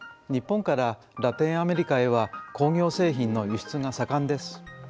日本からラテンアメリカへは工業製品の輸出が盛んです。